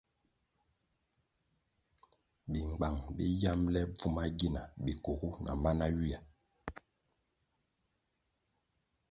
Bingbang bi yamble bvuma gina bikugu na mana ywia.